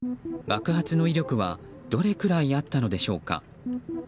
爆発の威力はどれくらいあったのでしょうか。